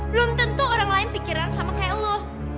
belum tentu orang lain pikiran sama kayak lo